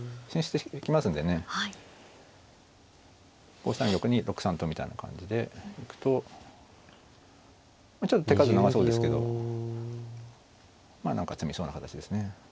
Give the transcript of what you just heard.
５三玉に６三とみたいな感じで行くとちょっと手数長そうですけどまあ何か詰みそうな形ですね。